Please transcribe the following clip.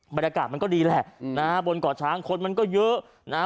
บรรยากาศมันก็ดีแหละนะฮะบนเกาะช้างคนมันก็เยอะนะฮะ